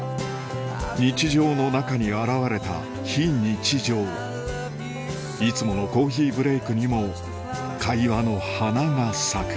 日常の中に現れた非日常いつものコーヒーブレークにも会話の花が咲く